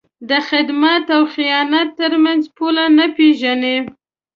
د خدمت او خیانت تر منځ پوله نه پېژني.